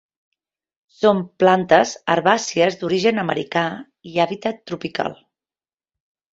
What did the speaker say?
Són plantes herbàcies, d'origen americà i hàbitat tropical.